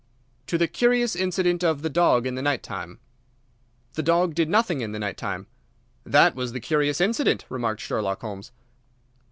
"To the curious incident of the dog in the night time." "The dog did nothing in the night time." "That was the curious incident," remarked Sherlock Holmes.